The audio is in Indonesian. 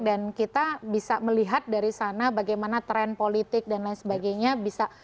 dan kita bisa melihat dari sana bagaimana tren politik dan lain sebagainya bisa